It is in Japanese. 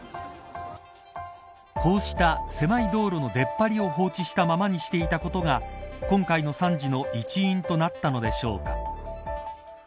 こうした道路の出っ張りを放置したままにしていたことが今回の惨事の一因となったのでしょうか。